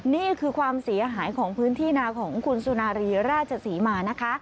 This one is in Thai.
นี่คือความเสียหายของพื้นที่นาของคุณสุนารีราชศรีมานะคะ